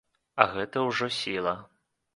А гэта ўжо сіла.